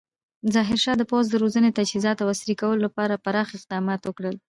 ظاهرشاه د پوځ د روزنې، تجهیزات او عصري کولو لپاره پراخ اقدامات وکړل.